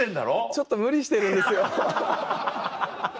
ちょっと無理してるんですよ。